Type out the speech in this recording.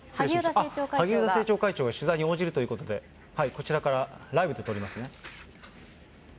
萩生田政調会長が取材に応じるということで、こちらから、ライブで撮りますね。